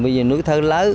như núi thơ lớn